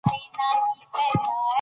په دښته کې هېڅ اوبه نشته.